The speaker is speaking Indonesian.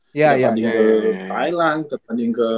ketanding ke thailand ketanding ke